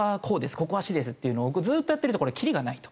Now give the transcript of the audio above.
ここは「私」ですっていうのをずっとやってるとこれきりがないと。